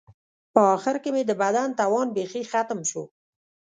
په آخر کې مې د بدن توان بیخي ختم شو.